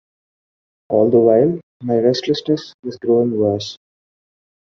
All the while my restlessness was growing worse.